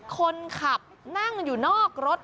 คนขับนั่งอยู่นอกรถ